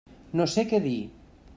No sé què dir.